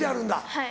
はい。